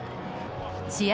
試合